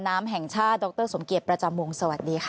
น้ำแห่งชาติโดคเตอร์สมเขตประจำงงสวัสดีค่ะ